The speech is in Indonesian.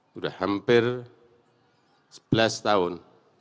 sudah hampir sebelas tahun